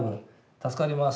助かります。